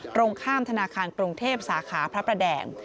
ตรงข้ามธนาคารกรุงเทพสาขาพระประแดง